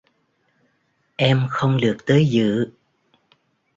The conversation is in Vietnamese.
Em không được tới dự